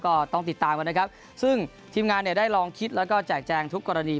ก็ต้องติดตามกันนะครับซึ่งทีมงานเนี่ยได้ลองคิดแล้วก็แจกแจงทุกกรณี